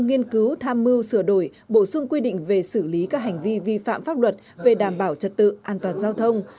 nghiên cứu tham mưu sửa đổi bổ sung quy định về xử lý các hành vi vi phạm pháp luật về đảm bảo trật tự an toàn giao thông